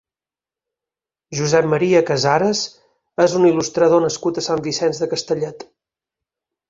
Josep Maria Cazares és un il·lustrador nascut a Sant Vicenç de Castellet.